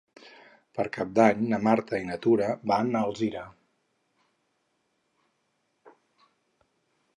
Per Cap d'Any na Marta i na Tura van a Alzira.